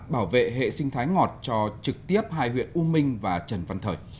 bảo vệ hệ sinh thái ngọt cho trực tiếp hai huyện u minh và trần văn thời